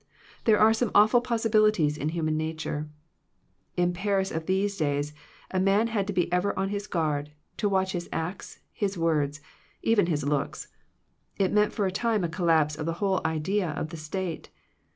There are some awful possibilities in human na ture. In Paris of these days a man had to be ever on his guard, to watch his acts, his words, even his looks. It meant for a time a collapse of the whole idea of the state.